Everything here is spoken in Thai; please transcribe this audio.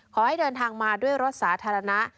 ขอให้เดินทางมาด้วยรถสาธารณะ